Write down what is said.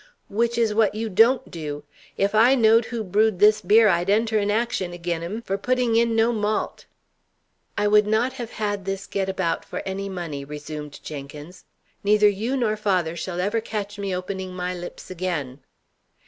"Which is what you don't do. If I knowed who brewed this beer I'd enter an action again him, for putting in no malt." "I would not have had this get about for any money!" resumed Jenkins. "Neither you nor father shall ever catch me opening my lips again."